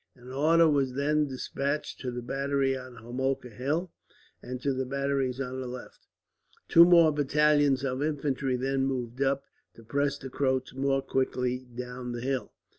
An order was then despatched to the battery on Homolka Hill, and to the batteries on the left. Two more battalions of infantry then moved up, to press the Croats more quickly down the hill.